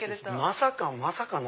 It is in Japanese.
まさかまさかの。